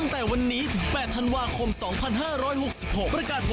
สวัสดีครับ